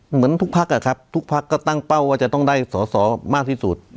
เหมือนทุกพักอะครับทุกพักก็ตั้งเป้าว่าจะต้องได้สอสอมากที่สุด